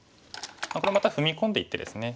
これまた踏み込んでいってですね。